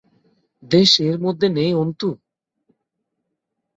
দেশ এর মধ্যে নেই অন্তু?